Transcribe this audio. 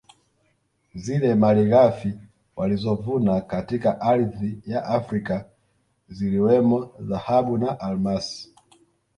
Zile malighafi walizovuna katika ardhi ya Afrika ziliwemo dhahabu na almasi